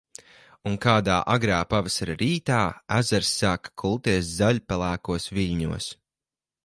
Un kādā agrā pavasara rītā, ezers sāka kulties zaļpelēkos viļņos.